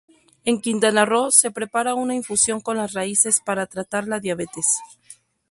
En Quintana Roo, se prepara una infusión con las raíces para tratar la diabetes.